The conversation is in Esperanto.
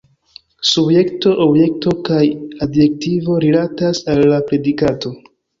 Subjekto, objekto kaj adjektivo rilatas al la predikato.